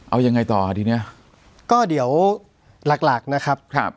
เอายังไงต่อทีเนี้ยก็เดี๋ยวหลักหลักนะครับครับ